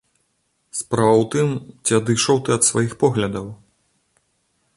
Справа ў тым, ці адышоў ты ад сваіх поглядаў.